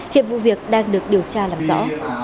hiệp vụ việc đang được điều tra làm rõ